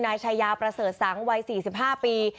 นายชายาประเสริฐสังวัย๔๕ปี